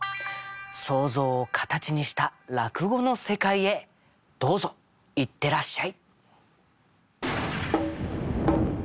想像を形にした落語の世界へどうぞ行ってらっしゃい。